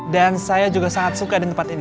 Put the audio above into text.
dan saya juga sangat suka di tempat ini